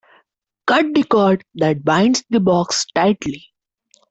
Cut the cord that binds the box tightly.